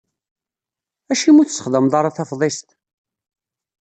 Acimi ur tessexdameḍ ara tafḍist?